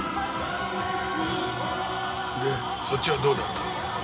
でそっちはどうだった？